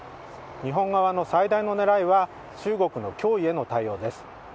日本側の最大の狙いは中国の脅威への対応です。